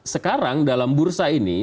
sekarang dalam bursa ini